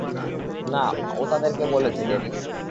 না, ও তাদেরকে বলেছে, ড্যানি।